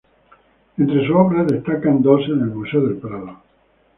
Entre sus obras, destacan dos en el Museo del Prado.